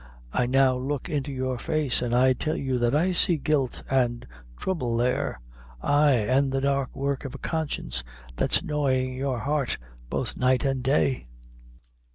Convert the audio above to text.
I now look into your face, and I tell you that I see guilt and throuble there ay, an' the dark work of a conscience that's gnawin' your heart both night and day."